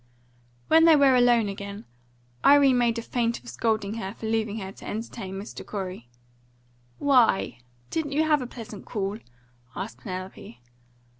When they were alone again, Irene made a feint of scolding her for leaving her to entertain Mr. Corey. "Why! didn't you have a pleasant call?" asked Penelope.